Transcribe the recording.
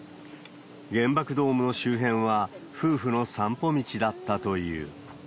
原爆ドームの周辺は夫婦の散歩道だったという。